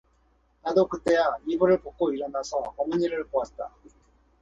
나도 그때야 이불을 벗고 일어나서 어머니를 보았다.